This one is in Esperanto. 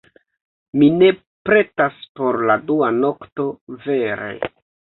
Mi ne pretas por la dua nokto, vere.